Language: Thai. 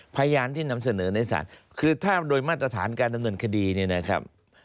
พยานที่นำเสนอในศาลคือถ้าโดยมาตรฐานการดำเนินคดีเนี่ยนะครับ